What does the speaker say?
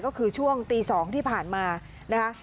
ก็คือช่วงตี๒ที่ผ่านมานะคะ